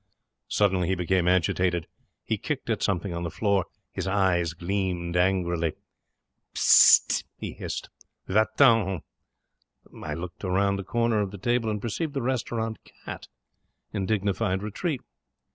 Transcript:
Suddenly he became agitated. He kicked at something on the floor. His eyes gleamed angrily. 'Ps s st!' he hissed. 'Va t'en!' I looked round the corner of the table, and perceived the restaurant cat in dignified retreat.